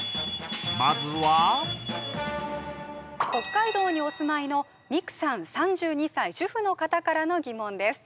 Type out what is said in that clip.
まずは北海道にお住まいのミクさん３２歳主婦の方からの疑問です